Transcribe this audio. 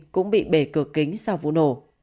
cũng bị bể cửa kính sau vụ nổ